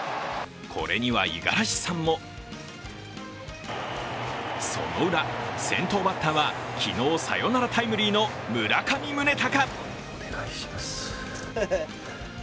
これには五十嵐さんもそのウラ、先頭バッターは昨日、サヨナラタイムリーの村上宗隆。